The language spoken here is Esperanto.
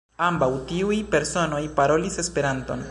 Ambaŭ tiuj personoj parolis Esperanton.